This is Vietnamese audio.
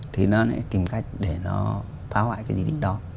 thì nó lại tìm cách để nó phá hoại cái di tích đó